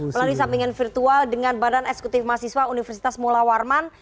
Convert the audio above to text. melalui sampingan virtual dengan badan eksekutif mahasiswa universitas mula warman